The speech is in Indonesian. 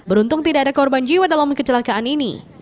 beruntung tidak ada korban jiwa dalam kecelakaan ini